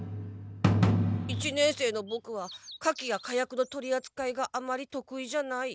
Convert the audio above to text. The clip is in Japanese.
一年生のボクは火器や火薬の取りあつかいがあまりとくいじゃない。